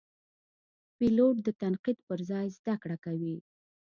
پیلوټ د تنقید پر ځای زده کړه کوي.